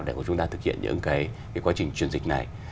để chúng ta thực hiện những quá trình truyền dịch này